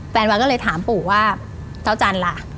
แฟนวากก็เลยถามปู่ว่าเท้าจันละ